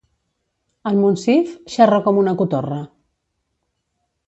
En Monsif xerra com una cotorra.